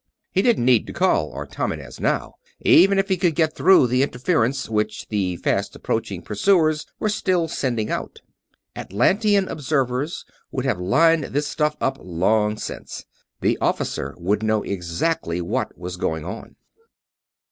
He didn't need to call Artomenes now, even if he could get through the interference which the fast approaching pursuers were still sending out. Atlantean observers would have lined this stuff up long since; the Officer would know exactly what was going on.